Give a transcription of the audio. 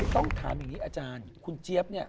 ต้องถามอย่างนี้อาจารย์คุณเจี๊ยบเนี่ย